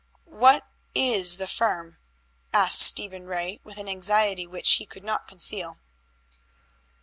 "What is the firm?" asked Stephen Ray with an anxiety which he could not conceal.